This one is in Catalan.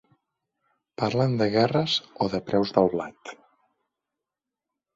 Parlen de guerres o de preus del blat.